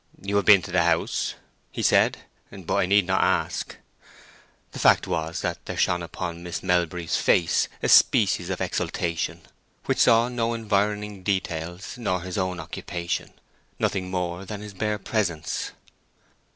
"You have been to the house?" he said. "But I need not ask." The fact was that there shone upon Miss Melbury's face a species of exaltation, which saw no environing details nor his own occupation; nothing more than his bare presence.